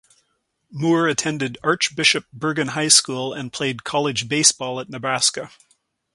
Moore attended Archbishop Bergan High School and played college baseball at Nebraska.